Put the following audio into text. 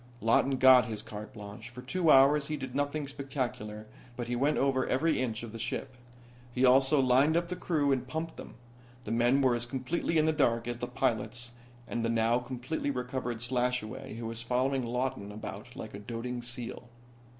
Lawton got his carte blanche. For two hours he did nothing spectacular, but he went over every inch of the ship. He also lined up the crew and pumped them. The men were as completely in the dark as the pilots and the now completely recovered Slashaway, who was following Lawton about like a doting seal.